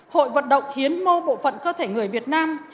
hội vận động hiến mô bộ phận cơ thể người việt nam